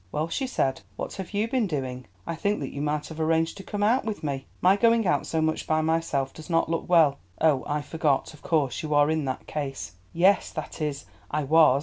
"Well," she said, "what have you been doing? I think that you might have arranged to come out with me. My going out so much by myself does not look well. Oh, I forgot; of course you are in that case." "Yes—that is, I was.